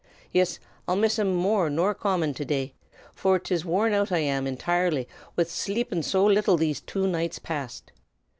"Yis, I'll miss um more nor common to day, for 'tis worn out I am intirely wid shlapin so little these two nights past.